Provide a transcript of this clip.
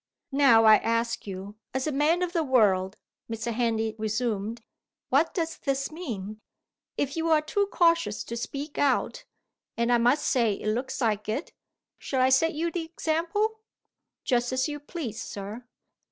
"Now I ask you, as a man of the world," Mr. Henley resumed, "what does this mean? If you're too cautious to speak out and I must say it looks like it shall I set you the example?" "Just as you please, sir."